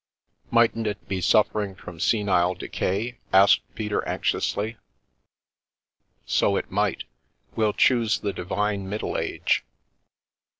"Mightn't it be suffering from senile decay?" asked Peter anxiously. " So it might. We'll choose the divine middle age."